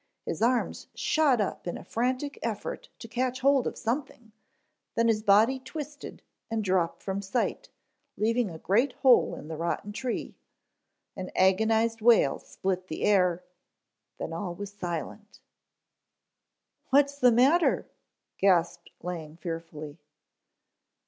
His arms shot up in a frantic effort to catch hold of something, then his body twisted and dropped from sight, leaving a great hole in the rotten tree. An agonized wail split the air, then all was silent. "What's the matter," gasped Lang fearfully.